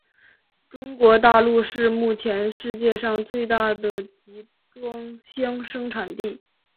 中国大陆是目前世界上最大的集装箱生产地。